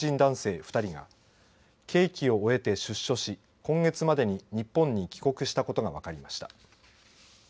２人が刑期を終えて出所し今月までに日本に帰国したことが分かりました。